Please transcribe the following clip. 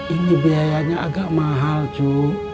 ini biayanya agak mahal cu